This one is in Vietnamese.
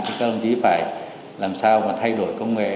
thì các ông chỉ phải làm sao mà thay đổi công nghệ